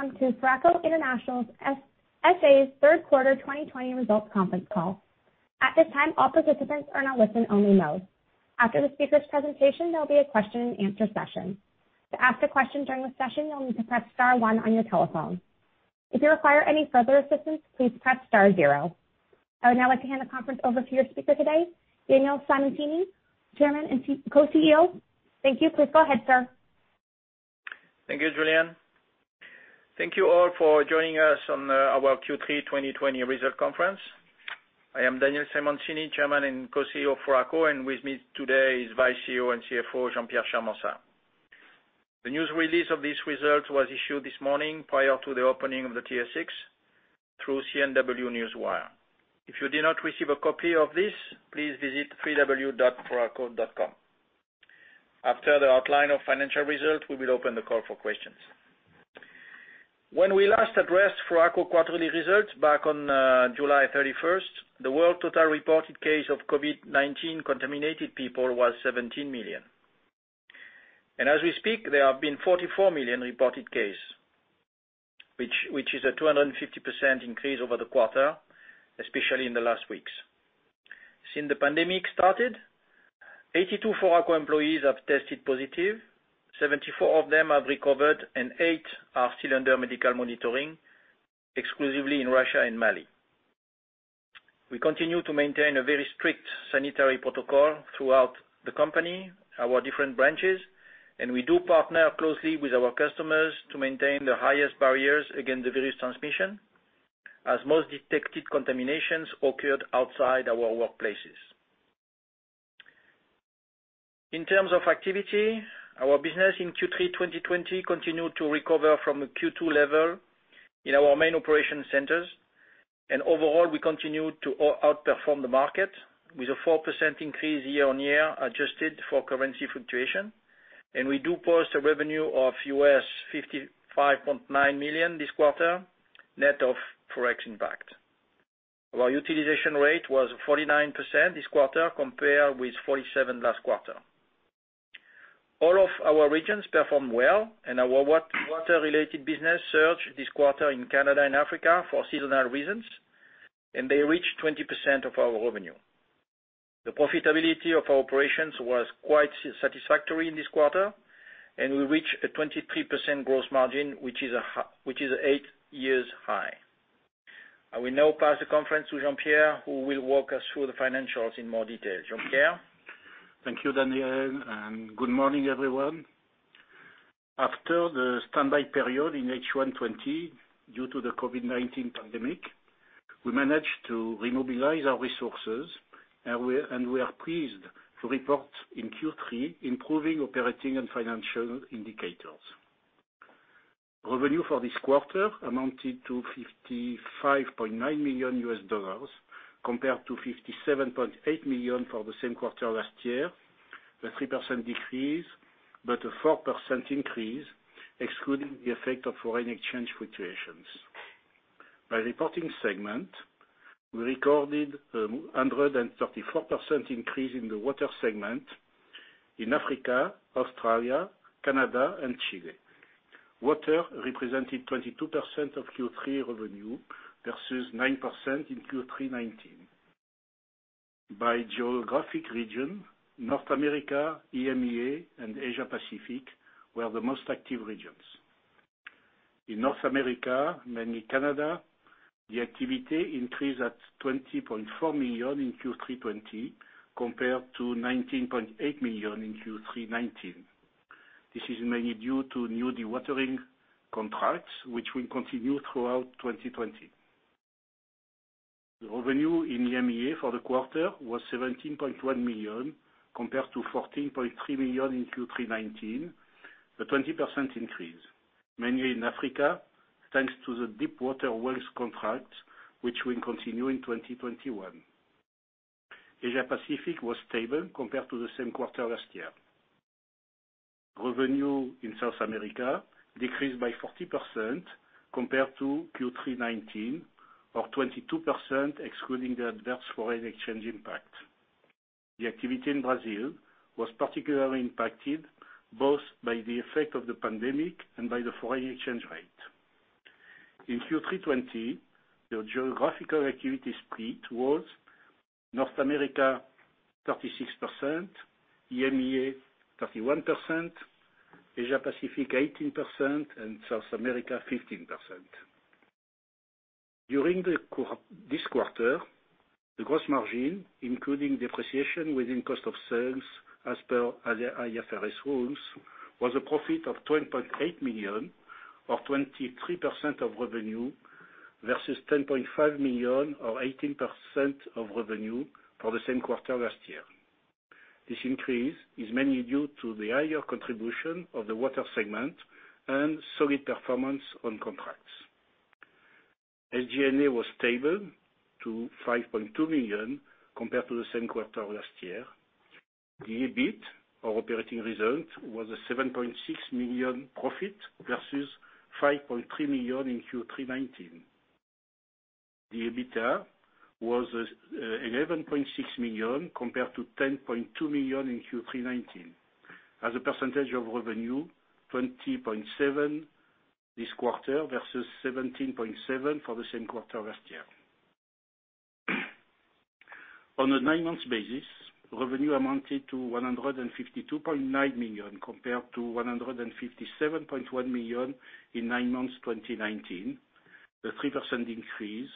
Welcome to Foraco International S.A.'s third quarter 2020 results conference call. At this time, all participants are in a listen-only mode. After the speaker's presentation, there'll be a question and answer session. To ask a question during the session, you'll need to press star one on your telephone. If you require any further assistance, please press star zero. I would now like to hand the conference over to your speaker today, Daniel Simoncini, Chairman and Co-CEO. Thank you. Please go ahead, sir. Thank you, Julianne. Thank you all for joining us on our Q3 2020 result conference. I am Daniel Simoncini, Chairman and Co-CEO of Foraco, and with me today is Vice CEO and CFO, Jean-Pierre Charmensat. The news release of this result was issued this morning prior to the opening of the TSX through CNW Newswire. If you did not receive a copy of this, please visit www.foraco.com. After the outline of financial results, we will open the call for questions. When we last addressed Foraco quarterly results back on July 31, the world total reported case of COVID-19 contaminated people was 17 million. As we speak, there have been 44 million reported case, which is a 250% increase over the quarter, especially in the last weeks. Since the pandemic started, 82 Foraco employees have tested positive, 74 of them have recovered, and eight are still under medical monitoring, exclusively in Russia and Mali. We continue to maintain a very strict sanitary protocol throughout the company, our different branches, and we do partner closely with our customers to maintain the highest barriers against the virus transmission, as most detected contaminations occurred outside our workplaces. In terms of activity, our business in Q3 2020 continued to recover from the Q2 level in our main operation centers, and overall, we continued to outperform the market with a 4% increase year-on-year, adjusted for currency fluctuation, and we do post a revenue of $55.9 million this quarter, net of Forex impact. Our utilization rate was 49% this quarter, compared with 47 last quarter. All of our regions performed well, and our water related business surged this quarter in Canada and Africa for seasonal reasons, and they reached 20% of our revenue. The profitability of our operations was quite satisfactory in this quarter, and we reached a 23% gross margin, which is eight years high. I will now pass the conference to Jean-Pierre, who will walk us through the financials in more detail. Jean-Pierre? Thank you, Daniel, and good morning, everyone. After the standby period in H1 2020, due to the COVID-19 pandemic, we managed to remobilize our resources, and we are pleased to report in Q3 improving operating and financial indicators. Revenue for this quarter amounted to $55.9 million, compared to $57.8 million for the same quarter last year, a 3% decrease, but a 4% increase, excluding the effect of foreign exchange fluctuations. By reporting segment, we recorded a 134% increase in the water segment in Africa, Australia, Canada, and Chile. Water represented 22% of Q3 revenue versus 9% in Q3 2019. By geographic region, North America, EMEA, and Asia Pacific were the most active regions. In North America, mainly Canada, the activity increased at $20.4 million in Q3 2020, compared to $19.8 million in Q3 2019. This is mainly due to new dewatering contracts, which will continue throughout 2020. The revenue in EMEA for the quarter was $17.1 million, compared to $14.3 million in Q3 2019, a 20% increase, mainly in Africa, thanks to the deep water wells contract, which will continue in 2021. Asia Pacific was stable compared to the same quarter last year. Revenue in South America decreased by 40% compared to Q3 2019, or 22% excluding the adverse foreign exchange impact. The activity in Brazil was particularly impacted both by the effect of the pandemic and by the foreign exchange rate. In Q3 2020, the geographical activity split was North America, 36%; EMEA, 31%; Asia Pacific, 18%; and South America, 15%. During this quarter, the gross margin, including depreciation within cost of sales, as per IFRS rules, was a profit of $ 10.8 million, or 23% of revenue, versus $ 10.5 million, or 18% of revenue for the same quarter last year. This increase is mainly due to the higher contribution of the water segment and solid performance on contracts. SG&A was stable to $ 5.2 million compared to the same quarter last year. The EBIT, our operating result, was a $ 7.6 million profit versus $ 5.3 million in Q3 2019. The EBITDA was eleven point six million compared to ten point two million in Q3 2019. As a percentage of revenue, 20.7% this quarter versus 17.7% for the same quarter last year. On a nine months basis, revenue amounted to $152.9 million compared to $157.1 million in nine months 2019. A 3% increase,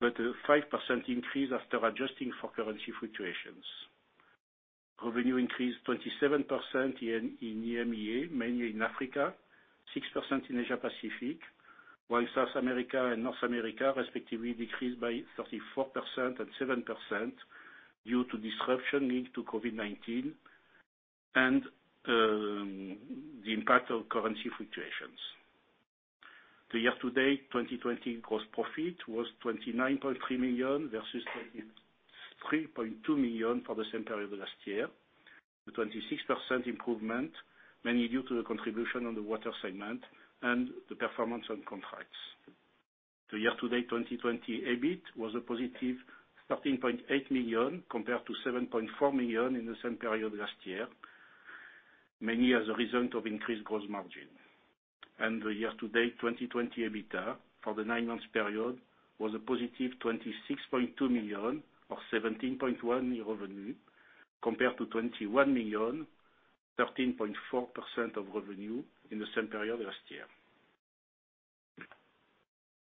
but a 5% increase after adjusting for currency fluctuations. Revenue increased 27% in EMEA, mainly in Africa, 6% in Asia Pacific, while South America and North America respectively decreased by 34% and 7% due to disruption linked to COVID-19 and the impact of currency fluctuations. The year-to-date 2020 gross profit was $29.3 million versus $3.2 million for the same period last year. The 26% improvement, mainly due to the contribution on the water segment and the performance on contracts. The year-to-date 2020 EBIT was a positive $13.8 million compared to $7.4 million in the same period last year, mainly as a result of increased gross margin. The year-to-date 2020 EBITDA for the nine months period was a positive $26.2 million or 17.1% of revenue, compared to $21 million, 13.4% of revenue in the same period last year.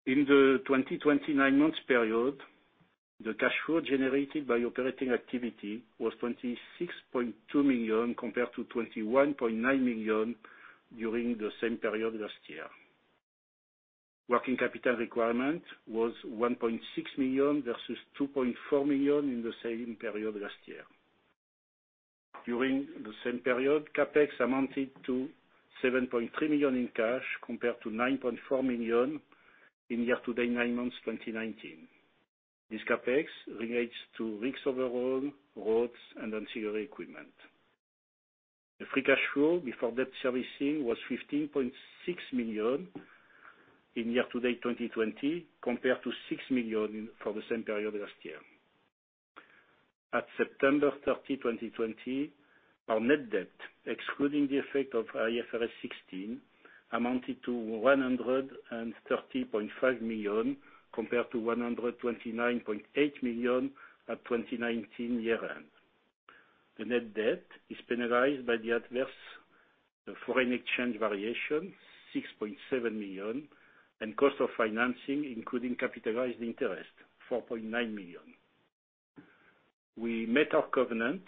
In the 2020 nine months period, the cash flow generated by operating activity was $26.2 million compared to $21.9 million during the same period last year. Working capital requirement was $1.6 million versus $2.4 million in the same period last year. During the same period, CapEx amounted to $7.3 million in cash compared to $9.4 million in year-to-date nine months, 2019. This CapEx relates to rigs overhaul, roads, and ancillary equipment. The free cash flow before debt servicing was $15.6 million year-to-date 2020, compared to $6 million for the same period last year. At September 30, 2020, our net debt, excluding the effect of IFRS 16, amounted to $130.5 million, compared to $129.8 million at 2019 year-end. The net debt is penalized by the adverse foreign exchange variation, $6.7 million, and cost of financing, including capitalized interest, $4.9 million. We met our covenant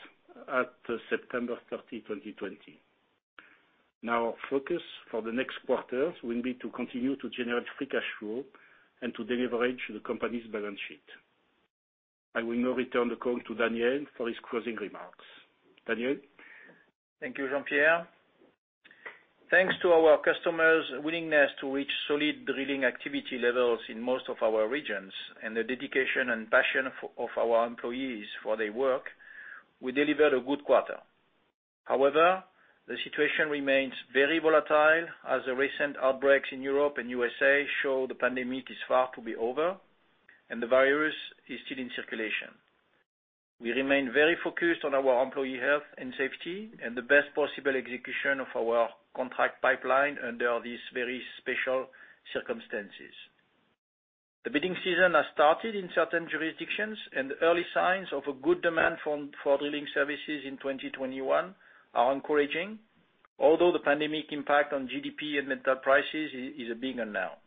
at September 30, 2020. Now, our focus for the next quarters will be to continue to generate free cash flow and to deleverage the company's balance sheet. I will now return the call to Daniel for his closing remarks. Daniel? Thank you, Jean-Pierre. Thanks to our customers' willingness to reach solid drilling activity levels in most of our regions, and the dedication and passion of our employees for their work, we delivered a good quarter. However, the situation remains very volatile, as the recent outbreaks in Europe and USA show the pandemic is far to be over and the virus is still in circulation. We remain very focused on our employee health and safety, and the best possible execution of our contract pipeline under these very special circumstances. The bidding season has started in certain jurisdictions, and the early signs of a good demand for drilling services in 2021 are encouraging. Although the pandemic impact on GDP and metal prices is a big one now.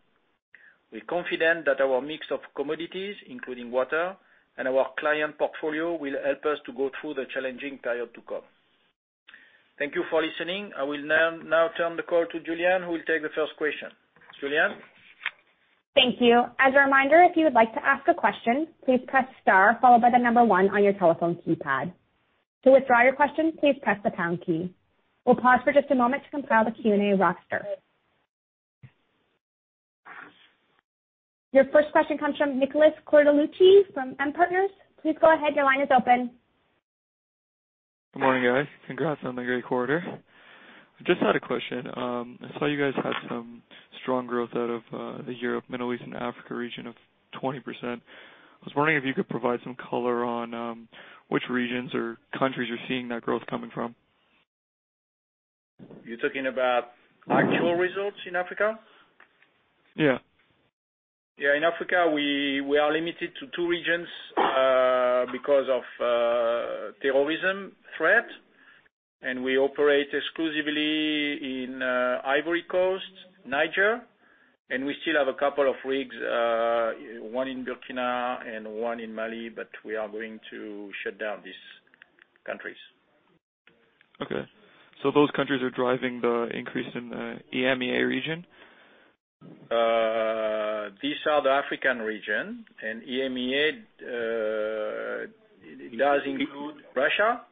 We're confident that our mix of commodities, including water, and our client portfolio will help us to go through the challenging period to come. Thank you for listening. I will now turn the call to Julianne, who will take the first question. Julianne? Thank you. As a reminder, if you would like to ask a question, please press star followed by the number one on your telephone keypad. To withdraw your question, please press the pound key. We'll pause for just a moment to compile the Q&A roster. Your first question comes from Nicholas Cortellucci from M Partners. Please go ahead. Your line is open. Good morning, guys. Congrats on the great quarter. I just had a question. I saw you guys had some strong growth out of the Europe, Middle East, and Africa region of 20%. I was wondering if you could provide some color on which regions or countries you're seeing that growth coming from? You're talking about actual results in Africa? Yeah. Yeah, in Africa, we are limited to two regions because of terrorism threat, and we operate exclusively in Ivory Coast, Niger. And we still have a couple of rigs, one in Burkina and one in Mali, but we are going to shut down these countries. Okay. Those countries are driving the increase in the EMEA region? These are the African region, and EMEA does include Russia,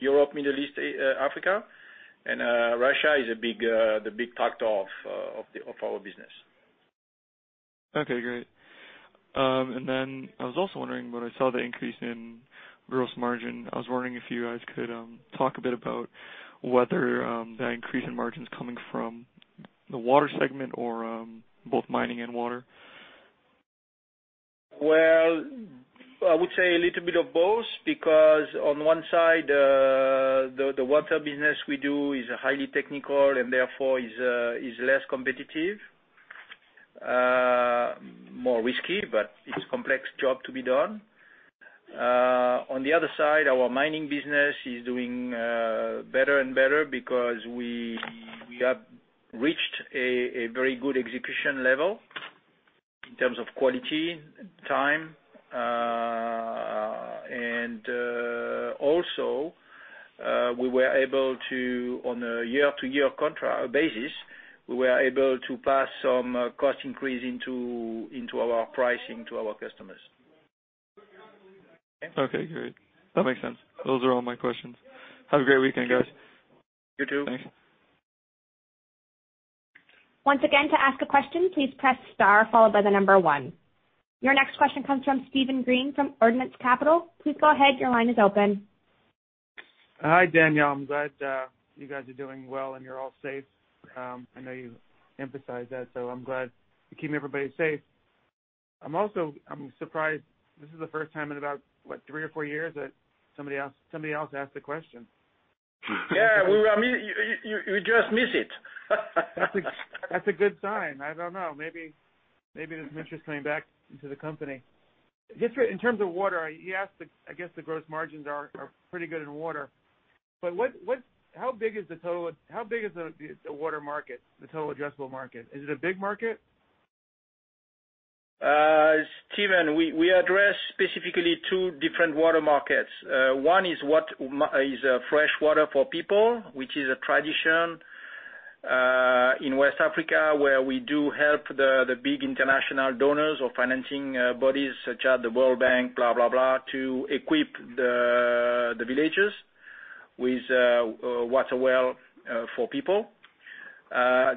Europe, Middle East, Africa, and Russia is a big, the big factor of our business. Okay, great. And then I was also wondering when I saw the increase in gross margin, I was wondering if you guys could talk a bit about whether the increase in margin is coming from- ... the water segment or, both mining and water? Well, I would say a little bit of both, because on one side, the water business we do is highly technical, and therefore is less competitive, more risky, but it's complex job to be done. On the other side, our mining business is doing better and better because we have reached a very good execution level in terms of quality, time, and also, we were able to, on a year-to-year contract-basis, we were able to pass some cost increase into our pricing to our customers. Okay, great. That makes sense. Those are all my questions. Have a great weekend, guys. You too. Thanks. Once again, to ask a question, please press star followed by the number one. Your next question comes from Steven Green from Ordinance Capital. Please go ahead, your line is open. Hi, Daniel. I'm glad you guys are doing well and you're all safe. I know you emphasize that, so I'm glad you're keeping everybody safe. I'm surprised this is the first time in about, what, three or four years that somebody else asked a question. Yeah, I mean, you just miss it. That's a good sign. I don't know, maybe there's interest coming back into the company. Just in terms of water, you asked—I guess the gross margins are pretty good in water. But what, how big is the total—how big is the water market, the total addressable market? Is it a big market? Steven, we, we address specifically two different water markets. One is what is fresh water for people, which is a tradition in West Africa, where we do help the, the big international donors or financing bodies such as the World Bank, blah, blah, blah, to equip the, the villagers with water well for people.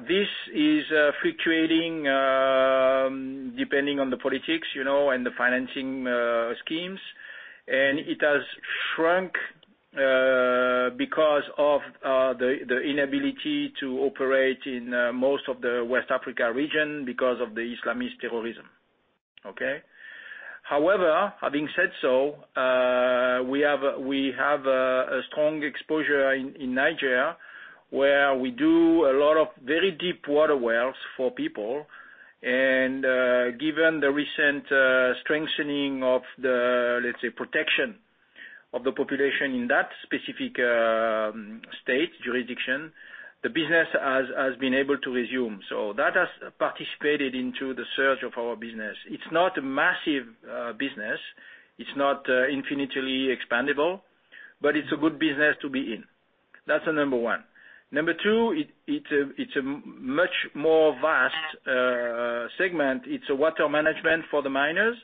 This is fluctuating depending on the politics, you know, and the financing schemes. And it has shrunk because of the, the inability to operate in most of the West Africa region because of the Islamist terrorism. Okay? However, having said so, we have a strong exposure in Niger, where we do a lot of very deep water wells for people, and given the recent strengthening of the, let's say, protection of the population in that specific state, jurisdiction, the business has been able to resume. So that has participated into the surge of our business. It's not a massive business. It's not infinitely expandable, but it's a good business to be in. That's number one. Number two, it's a much more vast segment. It's a water management for the miners.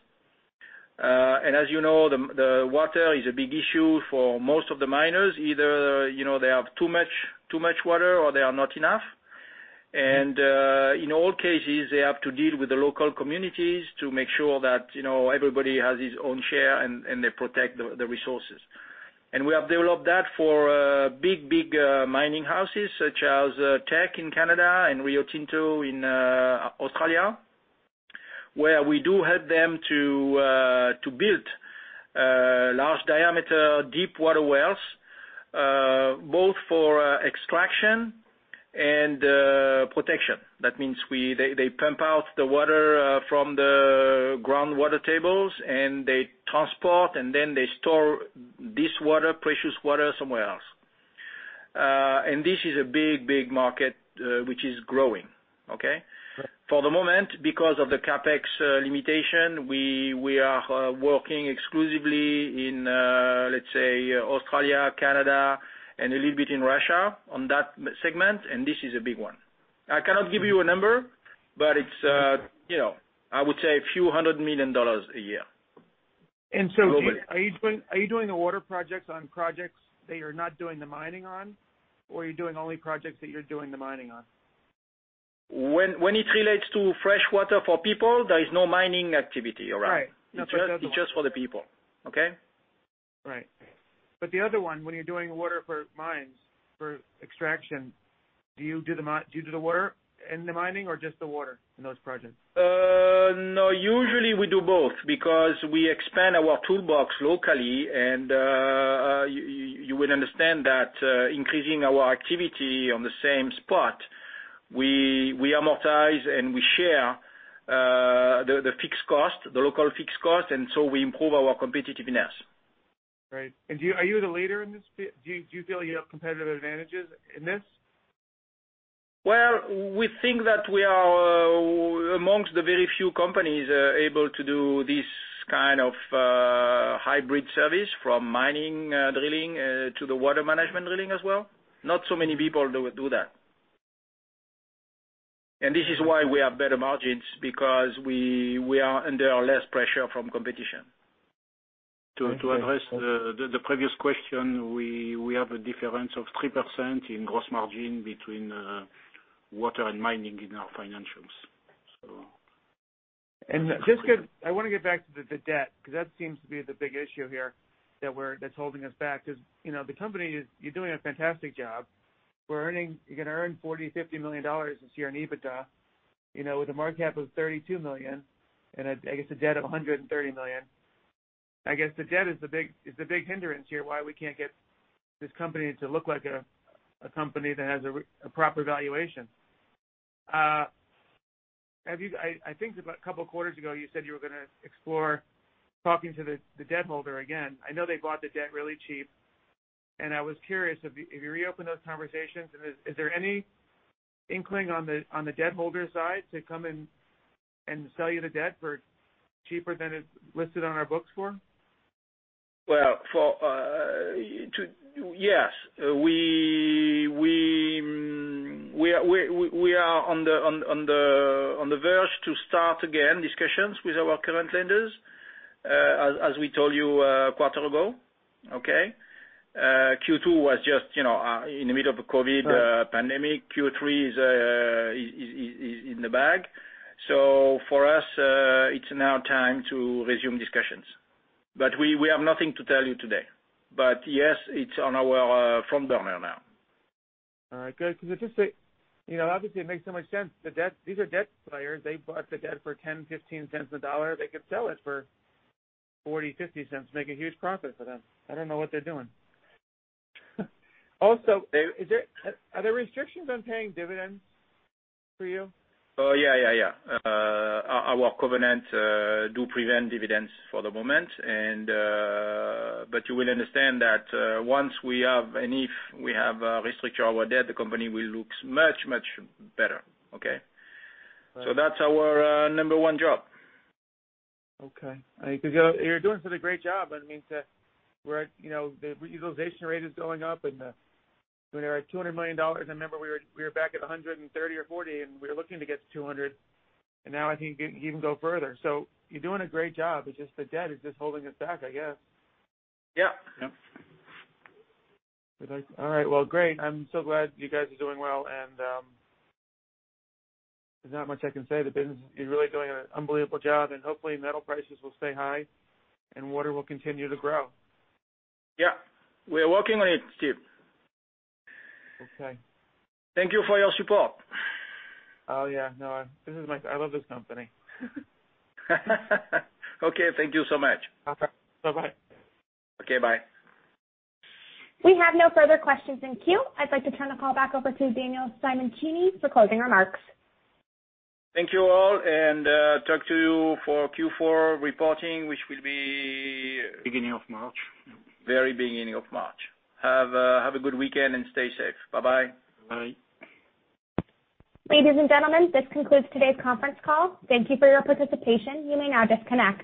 And as you know, the water is a big issue for most of the miners. Either, you know, they have too much water or they are not enough. In all cases, they have to deal with the local communities to make sure that, you know, everybody has his own share and they protect the resources. And we have developed that for big, big mining houses such as Teck in Canada and Rio Tinto in Australia, where we do help them to build large-diameter, deep water wells both for extraction and protection. That means they, they pump out the water from the groundwater tables, and they transport, and then they store this water, precious water, somewhere else. And this is a big, big market which is growing. Okay? For the moment, because of the CapEx limitation, we are working exclusively in, let's say, Australia, Canada, and a little bit in Russia on that segment, and this is a big one. I cannot give you a number, but it's, you know, I would say $a few hundred million a year. And so are you doing, are you doing the water projects on projects that you're not doing the mining on, or are you doing only projects that you're doing the mining on? When it relates to fresh water for people, there is no mining activity around. Right. It's just, it's just for the people. Okay? Right. But the other one, when you're doing water for mines, for extraction, do you do the water and the mining or just the water in those projects? No, usually we do both because we expand our toolbox locally, and you will understand that, increasing our activity on the same spot, we amortize and we share the fixed cost, the local fixed cost, and so we improve our competitiveness. Right. And do you—are you the leader in this? Do you, do you feel you have competitive advantages in this? Well, we think that we are among the very few companies able to do this kind of hybrid service from mining drilling to the water management drilling as well. Not so many people do that. And this is why we have better margins, because we are under less pressure from competition. To address the previous question, we have a difference of 3% in gross margin between water and mining in our financials.... And just 'cause I wanna get back to the, the debt, 'cause that seems to be the big issue here that we're-- that's holding us back. 'Cause, you know, the company is, you're doing a fantastic job. We're earning-- You're gonna earn $40-$50 million this year in EBITDA, you know, with a market cap of $32 million and a, I guess, a debt of $130 million. I guess the debt is the big, is the big hindrance here why we can't get this company to look like a, a company that has a re- a proper valuation. Have you-- I, I think about a couple quarters ago, you said you were gonna explore talking to the, the debt holder again. I know they bought the debt really cheap, and I was curious, have you, have you reopened those conversations? Is there any inkling on the debt holder side to come and sell you the debt for cheaper than it's listed on our books for? Well, yes, we are on the verge to start again discussions with our current lenders, as we told you a quarter ago, okay? Q2 was just, you know, in the middle of a COVID pandemic. Q3 is in the bag. So for us, it's now time to resume discussions. But we have nothing to tell you today. But yes, it's on our front burner now. All right, good. 'Cause it just, you know, obviously it makes so much sense. The debt, these are debt players. They bought the debt for 10, 15 cents on the dollar. They could sell it for 40, 50 cents, make a huge profit for them. I don't know what they're doing. Also, is there, are there restrictions on paying dividends for you? Oh, yeah, yeah, yeah. Our covenants do prevent dividends for the moment, and... But you will understand that, once we have, and if we have, restructure our debt, the company will looks much, much better, okay? All right. So that's our number one job. Okay. Because you're doing such a great job. I mean, to where, you know, the utilization rate is going up and we are at $200 million. I remember we were back at 130 or 140, and we were looking to get to 200, and now I think you can go further. So you're doing a great job, it's just the debt is just holding us back, I guess. Yeah. Yep. All right, well, great. I'm so glad you guys are doing well, and there's not much I can say. The business, you're really doing an unbelievable job, and hopefully, metal prices will stay high and water will continue to grow. Yeah, we are working on it, Steve. Okay. Thank you for your support. Oh, yeah. No, this is my... I love this company. Okay, thank you so much. Okay. Bye-bye. Okay, bye. We have no further questions in queue. I'd like to turn the call back over to Daniel Simoncini for closing remarks. Thank you all, and, talk to you for Q4 reporting, which will be- Beginning of March. Very beginning of March. Have a good weekend and stay safe. Bye-bye. Bye. Ladies and gentlemen, this concludes today's conference call. Thank you for your participation. You may now disconnect.